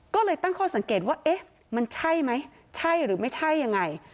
ก็เลยตั้งข้อสังเกตว่าเอ๊ะมันใช่ไหมใช่หรือไม่ใช่ยังไง